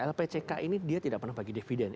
lpck ini dia tidak pernah bagi dividen